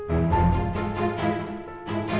gue mau tidur sama dia lagi